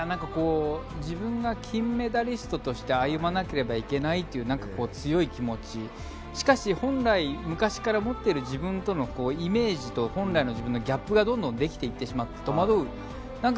自分が金メダリストとして歩まなければいけないという強い気持ち、しかし本来昔から持っている自分とのイメージと本来の自分のギャップがどんどんできていってしまって戸惑う。